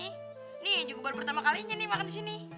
ini juga baru pertama kalinya nih makan di sini